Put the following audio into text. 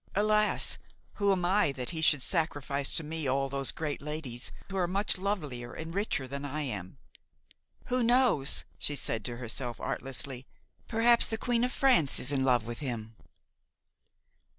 Alas! who am I that he should sacrifice to me all those great ladies who are much lovelier and richer than I am? Who knows," she said to herself artlessly, "perhaps the Queen of France is in love with him!"